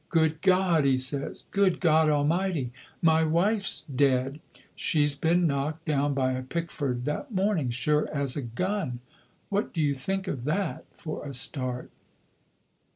'Good God!' he says; 'good God Almighty! My wife's dead!' She'd been knocked down by a Pickford that morning, sure as a gun. What do you think of that for a start?